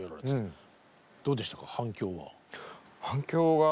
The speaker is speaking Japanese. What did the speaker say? どうでしたか反響は？